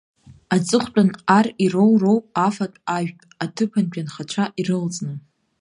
Аҵыхәтәан ар ироуроуп афатә-ажәтә, аҭыԥантәи анхацәа ирылҵны.